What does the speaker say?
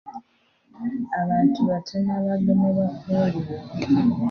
Abantu batono abaagemebwa pooliyo.